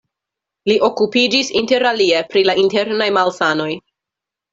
Li okupiĝis inter alie pri la internaj malsanoj.